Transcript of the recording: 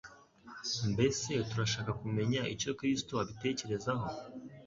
Mbese turashaka kumenya icyo Kristo abitekerezaho?